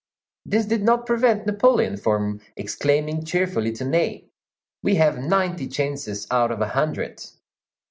This did not prevent Napoleon from exclaiming cheerfully to Ney, "We have ninety chances out of a hundred."